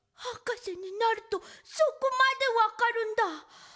はかせになるとそこまでわかるんだ。